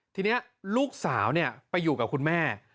ทีนี้ลูกสาวไปอยู่กับคุณแม่